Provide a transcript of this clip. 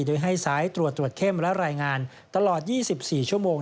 โดยให้สายตรวจตรวจเข้มและรายงานตลอด๒๔ชั่วโมง